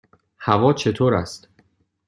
هوا چطور است؟